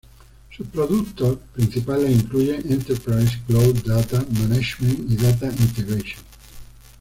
Sus productos principales incluyen Enterprise Cloud Data Management y Data Integration.